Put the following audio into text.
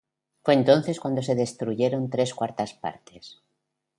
Fue entonces cuando se destruyeron tres cuartas partes.